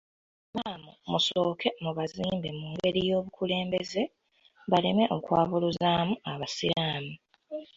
Ba Imam musooke mu bazimbe mu ngeri y'obukulembeze, baleme okwabuluzaamu abasiraamu.